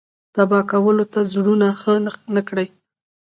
تبا کولو ته زړونه ښه نه کړي.